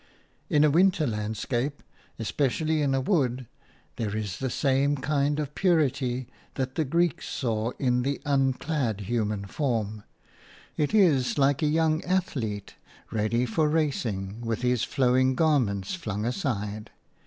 In a winter landscape – especially in a wood – there is the same kind of purity that the Greeks saw in the unclad human form; it is like a young athlete, ready for racing, with his flowing garments flung aside.